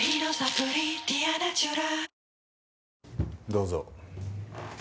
どうぞ。